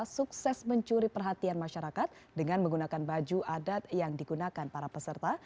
sukses mencuri perhatian masyarakat dengan menggunakan baju adat yang digunakan para peserta